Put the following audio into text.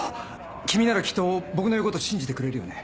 君ならきっと僕の言うこと信じてくれるよね？